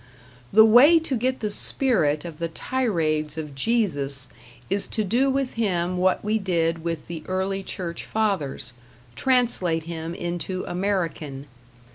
The way to get the spirit of the tirades of Jesus is to do with him what we did with the early church fathers translate him into American.